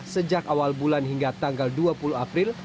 sejak awal bulan hingga tanggal dua puluh april